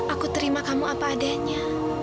aku terima kamu apa adanya